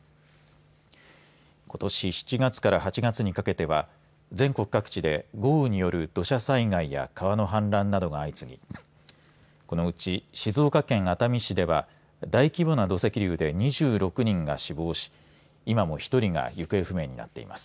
ことし７月から８月にかけては全国各地で豪雨による土砂災害や川の氾濫などが相次ぎこのうち静岡県熱海市では大規模な土石流で２６人が死亡し今は１人が行方不明になっています。